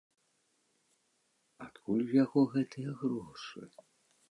Адкуль у яго гэтыя грошы?